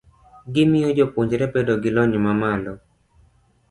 gimiyo jopuonjre bedo gi lony mamalo.